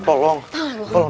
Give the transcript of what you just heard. aku harap ag disintegrasi